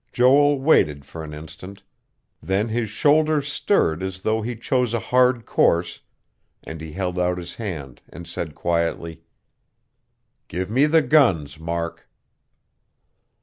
Joel waited for an instant; then his shoulders stirred as though he chose a hard course, and he held out his hand and said quietly: "Give me the guns, Mark."